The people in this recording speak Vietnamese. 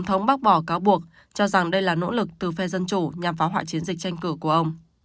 ông cũng bị bắt được từ phe dân chủ nhằm phá hoại chiến dịch tranh cử của ông